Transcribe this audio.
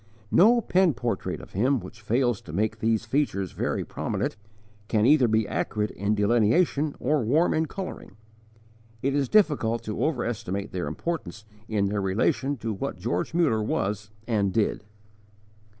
No pen portrait of him which fails to make these features very prominent can either be accurate in delineation or warm in colouring. It is difficult to overestimate their importance in their relation to what George Muller was and _did.